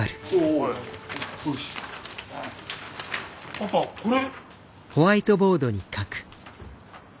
パパこれ。